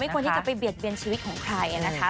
ควรที่จะไปเบียดเบียนชีวิตของใครนะคะ